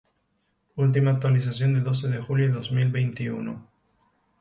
Última actualización: doce de julio de dos mil viente y uno